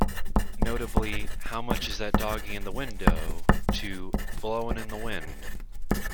Notably "How much is that Doggy in the Window", to "Blowin' in the Wind".